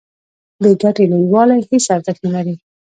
بې ګټې لویوالي هیڅ ارزښت نلري.